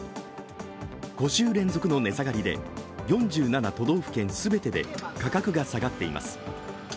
５週連続の値下がりで４７都道府県全てで価格が下がっています。